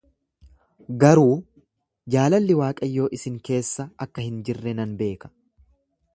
Garuu jaalalli Waaqayyoo isin keessa akka hin jirre nan beeka.